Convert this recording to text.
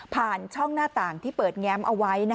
ช่องหน้าต่างที่เปิดแง้มเอาไว้